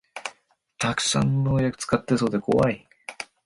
たくさん農薬使ってそうでこわい